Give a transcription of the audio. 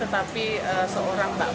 tetapi seorang bambu